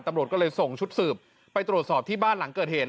ตำรวจก็เลยส่งชุดสืบไปตรวจสอบที่บ้านหลังเกิดเหตุ